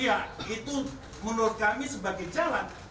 ya itu menurut kami sebagai jalan